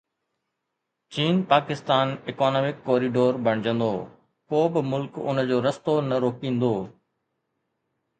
چين Pakistan economic corridor بڻجندو، ڪو به ملڪ ان جو رستو نه روڪيندو.